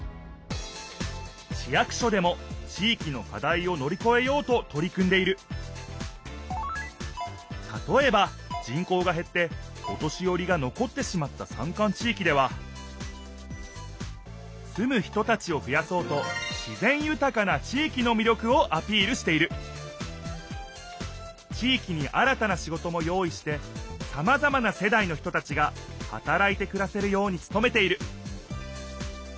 市役所でも地いきの課題をのりこえようととり組んでいるたとえば人口がへってお年よりが残ってしまった山間地いきではすむ人たちをふやそうと自ぜんゆたかな地いきに新たなしごとも用いしてさまざまなせだいの人たちがはたらいてくらせるようにつとめている。